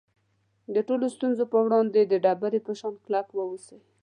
د ټولو ستونزو په وړاندې د ډبرې په شان کلک واوسئ.